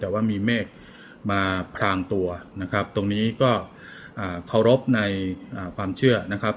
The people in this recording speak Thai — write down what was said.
แต่ว่ามีเมฆมาพรางตัวนะครับตรงนี้ก็เคารพในความเชื่อนะครับ